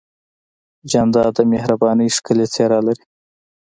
جانداد د مهربانۍ ښکلی څېرہ لري.